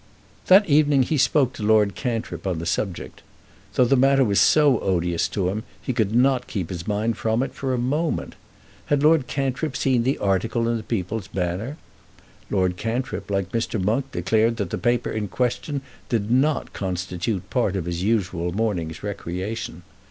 That evening he spoke to Lord Cantrip on the subject. Though the matter was so odious to him, he could not keep his mind from it for a moment. Had Lord Cantrip seen the article in the "People's Banner"? Lord Cantrip, like Mr. Monk, declared that the paper in question did not constitute part of his usual morning's recreation.